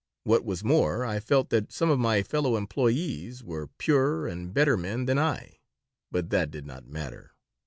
What was more, I felt that some of my fellow employees were purer and better men than I. But that did not matter.